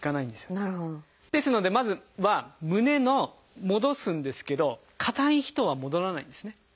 ですのでまずは胸の戻すんですけど硬い人は戻らないんですね。